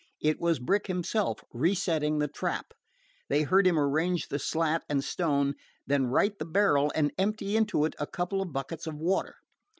It was Brick himself, resetting the trap. They heard him arrange the slat and stone, then right the barrel and empty into it a couple of buckets of water.